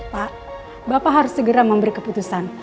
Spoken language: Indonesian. pak bapak harus segera memberi keputusan